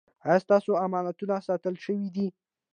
ایا ستاسو امانتونه ساتل شوي دي؟